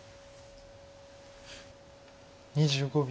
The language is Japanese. ２５秒。